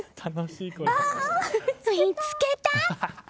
見つけた！